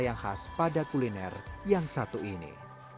yang khas pada kuliner yang satu ini